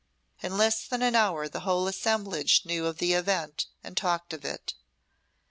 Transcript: In less than an hour the whole assemblage knew of the event and talked of it.